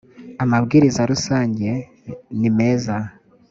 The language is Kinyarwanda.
amabwiriza rusange nimeza